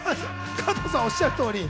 加藤さん、おっしゃる通り